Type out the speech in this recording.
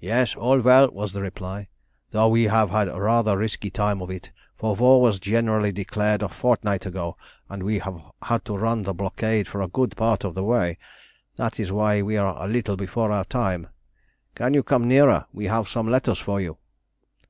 "Yes, all well," was the reply, "though we have had rather a risky time of it, for war was generally declared a fortnight ago, and we have had to run the blockade for a good part of the way. That is why we are a little before our time. Can you come nearer? We have some letters for you."